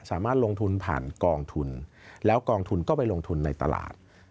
สามารถลงทุนผ่านกองทุนแล้วกองทุนก็ไปลงทุนในตลาด